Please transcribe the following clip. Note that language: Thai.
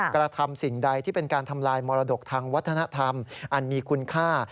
กระทำสิ่งใดที่เป็นการทำลายมรดกทางวัฒนธรรมอันมีคุณค่า